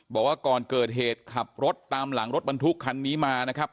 บอกว่าก่อนเกิดเหตุขับรถตามหลังรถบรรทุกคันนี้มานะครับ